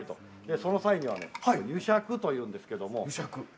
その際には、湯杓というんですけど。